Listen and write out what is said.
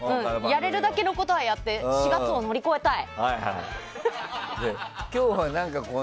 やれるだけのことはやって４月を乗り越えたい。